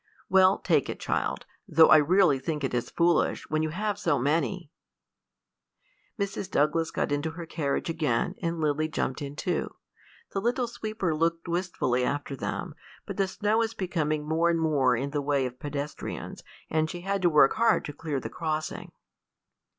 "Well, take it, child, though I really think it is foolish, when you have so many." Mrs. Douglas got into her carriage again, and Lily jumped in too. The little sweeper looked wistfully after them; but the snow was becoming more and more in the way of pedestrians, and she had to work hard to clear the crossing.